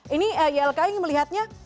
ini ylki melihatnya